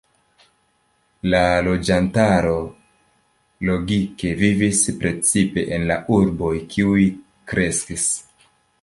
La loĝantaro logike vivis precipe en la urboj, kiuj kreskis.